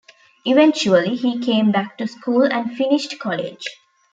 Eventually, he came back to school and finished college.